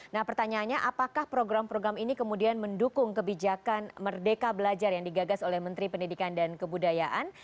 nah pertanyaannya apakah program program ini kemudian mendukung kebijakan merdeka belajar yang digagas oleh menteri pendidikan dan kebudayaan